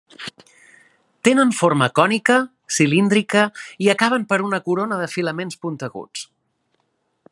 Tenen forma cònica, cilíndrica i acaben per una corona de filaments punteguts.